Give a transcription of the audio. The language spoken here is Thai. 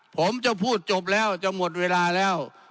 ผมจะพูดจบแล้วจะหมดเวลาแล้ว